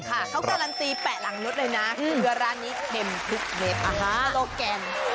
ค่ะเขาการันตีแปะหลังรถเลยนะเกลือร้านนี้เข็มทุกเบ็ดโลแกน